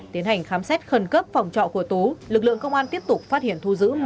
tiến hành khám xét khẩn cấp phòng trọ của tú lực lượng công an tiếp tục phát hiện thu giữ